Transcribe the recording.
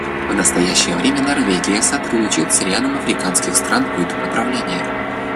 В настоящее время Норвегия сотрудничает с рядом африканских стран в этом направлении.